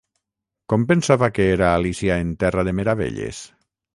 Com pensava que era Alícia en terra de meravelles?